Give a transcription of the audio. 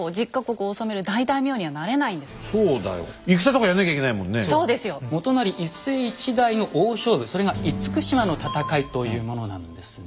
一代の大勝負それが「厳島の戦い」というものなんですね。